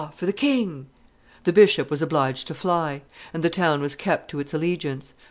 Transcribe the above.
for the king!" the bishop was obliged to fly, and the town was kept to its allegiance.